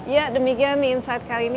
ya demikian insight kali ini